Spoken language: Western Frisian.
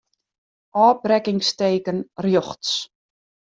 Ofbrekkingsteken rjochts.